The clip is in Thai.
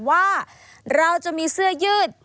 ว่าเราจะมีเสื้อยืด